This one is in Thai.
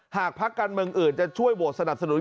พักการเมืองอื่นจะช่วยโหวตสนับสนุน